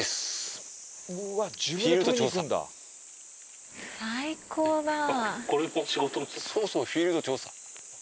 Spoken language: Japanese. そうそうフィールド調査。